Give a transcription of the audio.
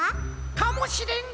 かもしれん！